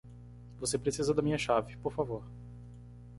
Você precisa da minha chave, por favor.